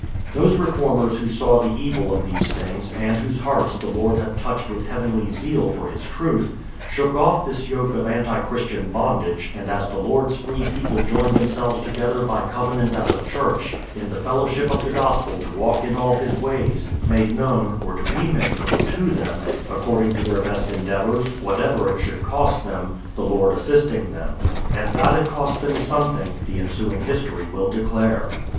Those reformers who saw the evil of these things, and whose hearts the Lord had touched with heavenly zeal for his truth, shook off this yoke of anti Christian bondage and as the Lord's free people joined themselves together by covenant as a church, in the fellowship of the gospel to walk in all His ways, made known, or to be made known to them, according to their best endeavours, whatever it should cost them, the Lord assisting them. And that it cost them something, the ensuing history will declare.